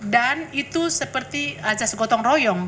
dan itu seperti acah segotong royong